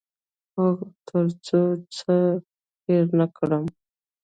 هو، که تر څو څه هیر نه کړم